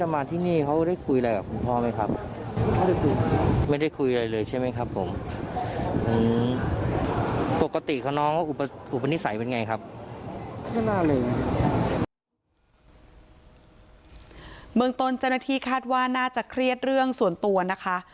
เมืองตนเจ้าหน้าที่คาดว่าน่าจะเครียดเรื่องส่วนตัวนะคะ